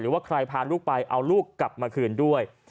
ว่าใครพาลูกไปเอาลูกกลับมาคืนด้วย